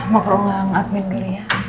mau ke ruang admin dulu ya